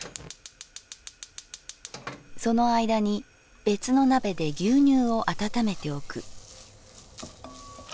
「その間に別の鍋で牛乳を温めておく」。